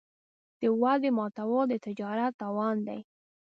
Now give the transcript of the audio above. د وعدې ماتول د تجارت تاوان دی.